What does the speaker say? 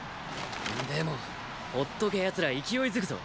んでもほっときゃ奴ら勢いづくぞ。